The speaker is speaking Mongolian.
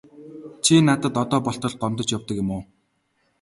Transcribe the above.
Чи надад одоо болтол гомдож явдаг юм уу?